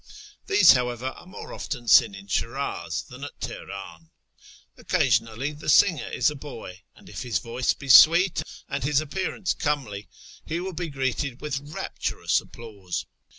These, however, are more often seen in Shiniz than at Teheran. Occasionally the singer is a boy ; and, if his voice be sweet and his appearance comely, he will be greeted with rapturous applause.